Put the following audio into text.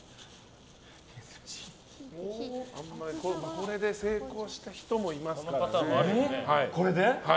これで成功した人もいますからね。